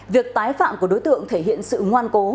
việc tái phạm của đối tượng thể hiện sự ngoan cố